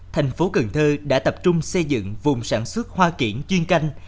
thành phố cần thơ đã tập trung xây dựng vùng sản xuất hoa kiển chuyên canh